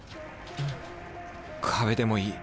壁でもいい。